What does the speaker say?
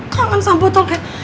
kangen sama botol kayak